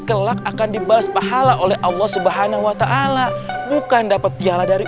kelak akan dibalas pahala oleh allah swt bukan dapat piala dari